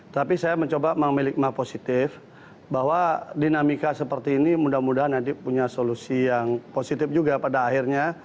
tapi saya mencoba memelikma positif bahwa dinamika seperti ini mudah mudahan nanti punya solusi yang positif juga pada akhirnya